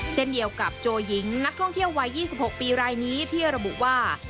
เช่นเดียวกับโจหญิงนักท่องเที่ยววัย๒๖ปีรายนี้ที่ระบุว่า